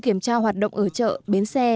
kiểm tra hoạt động ở chợ bến xe